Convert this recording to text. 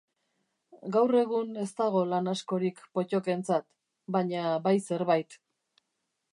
Gaur egun ez dago lan askorik pottokentzat, baina bai zerbait.